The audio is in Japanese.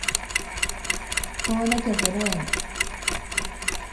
買わなきゃゼロ円